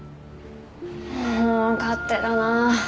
もう勝手だなあ。